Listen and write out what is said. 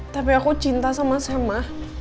tapi aku cinta sama sam mah